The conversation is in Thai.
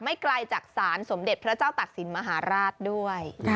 ไกลจากศาลสมเด็จพระเจ้าตักศิลปมหาราชด้วย